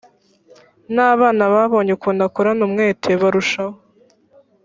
n abana babonye ukuntu akorana umwete barushaho